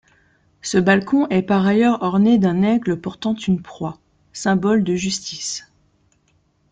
Ce balcon est par ailleurs orné d'un aigle portant une proie, symbole de justice.